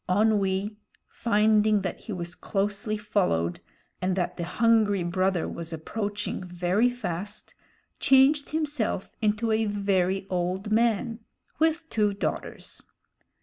Onwee, finding that he was closely followed and that the hungry brother was approaching very fast, changed himself into a very old man, with two daughters.